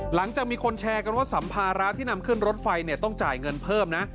หลังจากมีคนแชร์กันว่าสัมภาระที่นำขึ้นรถไฟเนี่ยต้องจ่ายเงินเพิ่มนะ